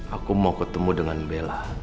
aku mau ketemu dengan bella